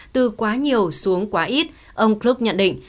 từ quá nhiều xuống quá ít ông group nhận định